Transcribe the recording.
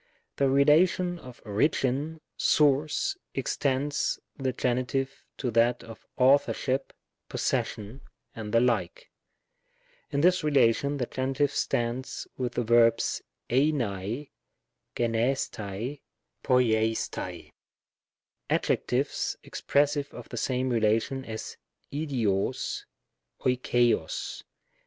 The relation of origin, source, extends the Gen itive to that of authorship, possession, and the like. In this relation, the Gen. stands with the verbs , kivaty ybvbO&uL^ noulo&ac ; with adjectives expressive of the same relation as v8iogy olxttog.